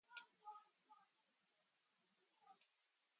In the first act, the hero imagines a place where happiness exists.